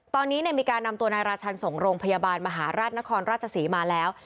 ตอนนี้มีการนำตัวนายราชันส่งโรงพยาบาลมหาราชนครราชศรีมาแล้ว